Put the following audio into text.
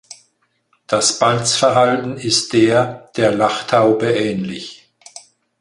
Das Balzverhalten ist der der Lachtaube ähnlich.